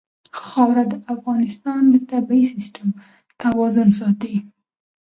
خاوره د افغانستان د طبعي سیسټم توازن ساتي.